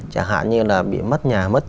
chẳng hạn như là bị mất nhà mất